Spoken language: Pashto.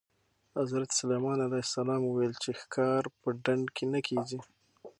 حضرت سلیمان علیه السلام وویل چې ښکار په ډنډ کې نه کېږي.